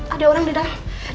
ada orang di dalam